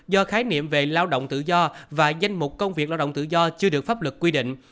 do khái niệm về lao động tự do và danh mục công việc lao động tự do chưa được pháp luật quy định